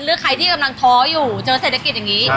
หรือใครที่กำลังท้ออยู่เจอเศรษฐกิจอย่างนี้